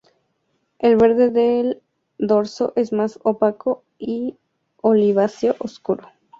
El verde del dorso es más opaco y oliváceo-oscuro.